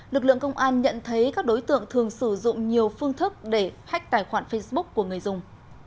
lực lượng công an nhận thấy các đối tượng thường sử dụng nhiều phương thức để hách tài khoản facebook của người dùng